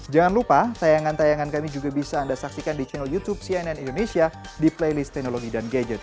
jangan lupa tayangan tayangan kami juga bisa anda saksikan di channel youtube cnn indonesia di playlist teknologi dan gadget